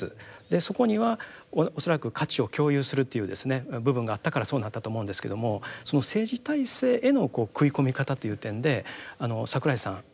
そこには恐らく価値を共有するという部分があったからそうなったと思うんですけどもその政治体制への食い込み方という点で櫻井さん。